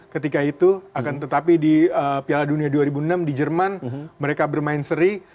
ketika itu akan tetapi di piala dunia dua ribu enam di jerman mereka bermain seri